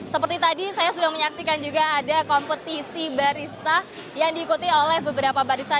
seperti tadi saya sudah menyaksikan juga ada kompetisi barista yang diikuti oleh beberapa barista